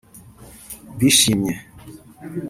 bishimye